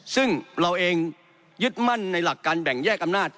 ซึ่งเราเองยึดมั่นในหลักการแบ่งแยกอำนาจ